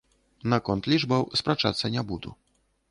Наконт лічбаў спрачацца не буду.